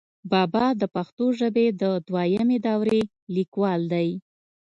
بابا دَپښتو ژبې دَدويمي دورې ليکوال دی،